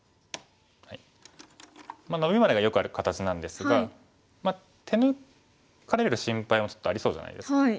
ノビまでがよくある形なんですが手抜かれる心配もちょっとありそうじゃないですか。